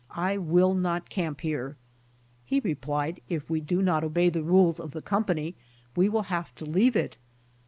I will not camip here." He replied "If we do not obey the rules of the company we will have to leave it."